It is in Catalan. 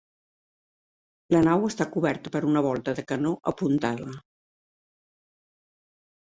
La nau està coberta per una volta de canó apuntada.